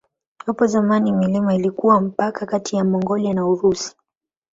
Hapo zamani milima ilikuwa mpaka kati ya Mongolia na Urusi.